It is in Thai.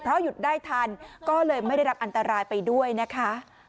หยุดได้ทันก็เลยไม่ได้รับอันตรายไปด้วยนะคะ